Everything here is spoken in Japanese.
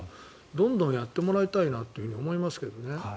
どんどんやってもらいたいと思いますがね。